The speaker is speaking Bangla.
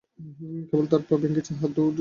কেবল তার পা ভেঙ্গেছে, হাত তো ঠিক আছে না?